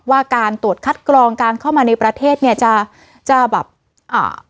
ว่าการตรวจคัดกรองการเข้ามาในประเทศเนี้ยจะจะแบบอ่า